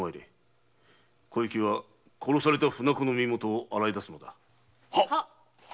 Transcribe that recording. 小雪は殺された船子の身元を洗い出すのだ。